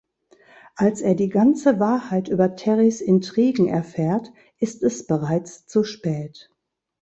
Als er die ganze Wahrheit über Terrys Intrigen erfährt, ist es bereits zu spät.